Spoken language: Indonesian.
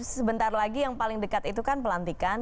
sebentar lagi yang paling dekat itu kan pelantikan